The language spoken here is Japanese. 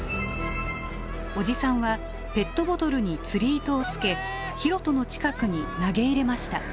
おじさんはペットボトルに釣り糸をつけヒロトの近くに投げ入れました。